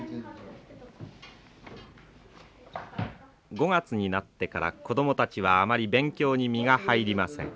５月になってから子どもたちはあまり勉強に身が入りません。